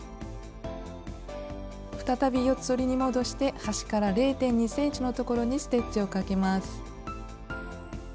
再び四つ折りに戻して端から０．２ｃｍのところにステッチをかけます。